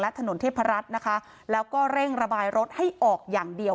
ถนนเทพรัฐนะคะแล้วก็เร่งระบายรถให้ออกอย่างเดียว